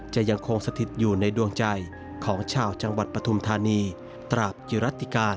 จะยังคงสถิตอยู่ในดวงใจของชาวจังหวัดปฐุมธานีตราบกิรัติกา